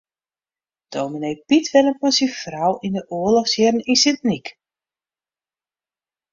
Dominee Pyt wennet mei syn frou yn de oarlochsjierren yn Sint Nyk.